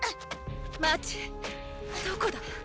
どこだ？